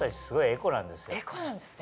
エコなんですね。